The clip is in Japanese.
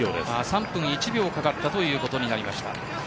３分１秒かかったということになりました。